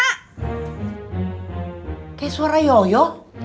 kayak suara yoyo